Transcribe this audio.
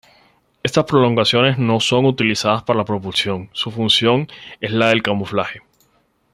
Estas prolongaciones no son utilizadas para la propulsión; su función es la del camuflaje.